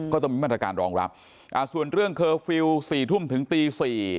ก็ต้องมีมาตรการรองรับส่วนเรื่องเคอร์ฟิล๔ทุ่มถึงตี๔